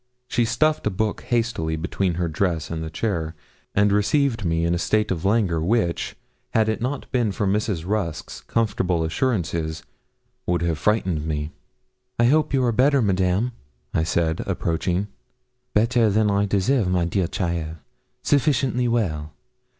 She stuffed a book hastily between her dress and the chair, and received me in a state of langour which, had it not been for Mrs. Rusk's comfortable assurances, would have frightened me. 'I hope you are better, Madame,' I said, approaching. 'Better than I deserve, my dear cheaile, sufficiently well.